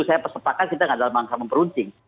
saya pesepakkan kita tidak dalam angka memperuncing